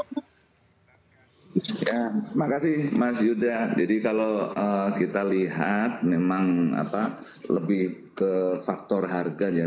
ya terima kasih mas yuda jadi kalau kita lihat memang lebih ke faktor harga ya